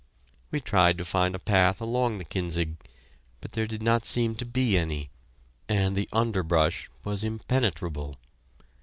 We tried to find a path along the Kinzig, but there did not seem to be any, and the underbrush was impenetrable.